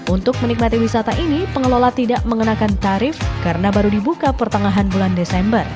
untuk menikmati wisata ini pengelola tidak mengenakan tarif karena baru dibuka pertengahan bulan desember